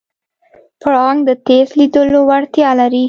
پړانګ د تېز لیدلو وړتیا لري.